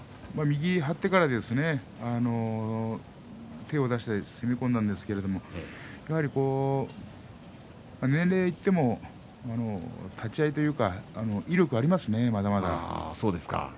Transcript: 右を張ってから手を出して攻め込んだんですがやはり年齢がいっても立ち合いというか威力がありますね、まだまだ。